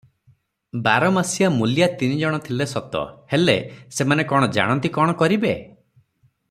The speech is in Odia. ବାର ମାସିଆ ମୂଲିଆ ତିନି ଜଣ ଥିଲେ ସତ; ହେଲେ ସେମାନେ କଣ ଜାଣନ୍ତି, କଣ କରିବେ?